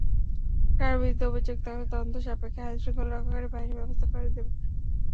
কারও বিরুদ্ধে অভিযোগ থাকলে তদন্ত সাপেক্ষে আইনশৃঙ্খলা রক্ষাকারী বাহিনী ব্যবস্থা নেবে।